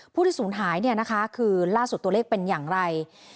ผู้ที่สูญหายคือล่าสุดตัวเลขเป็นอย่างไร